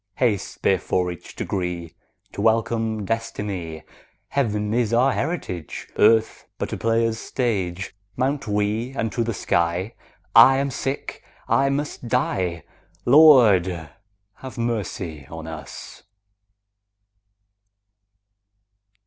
35 Haste therefore each degree To welcome destiny; Heaven is our heritage, Earth but a player's stage. Mount we unto the sky; 40 I am sick, I must die— Lord, have mercy on us!